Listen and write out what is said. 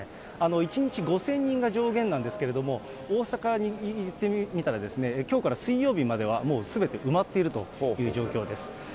１日５０００人が上限なんですけれども、大阪にいってみたらきょうから水曜日までは、もうすべて埋まっているという状況です。